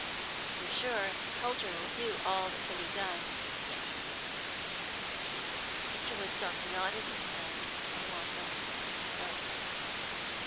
"You're sure Helter will do all that can be done?" "Yes." Mr. Woodstock nodded his head, and walked off by himself.